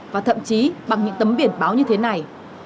và thậm chí bằng những tấm biển báo như thế này